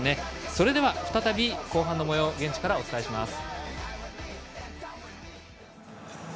それでは再び後半のもよう現地からお伝えします。